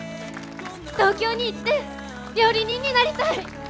東京に行って料理人になりたい！